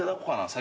先。